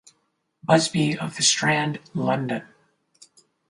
Busby of the Strand London.